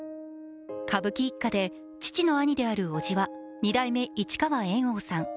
歌舞伎一家で父の兄であるおじは二代目市川猿翁さん。